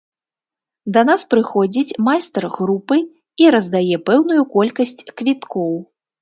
Да нас прыходзіць майстар групы і раздае пэўную колькасць квіткоў.